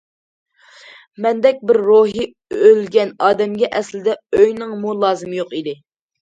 مەندەك بىر روھى ئۆلگەن ئادەمگە ئەسلىدە ئۆينىڭمۇ لازىمى يوق ئىدى.